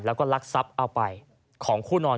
และก็ลักษัปเอาไปของคู่นอน